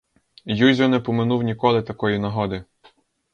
Юзьо не поминув ніколи такої нагоди.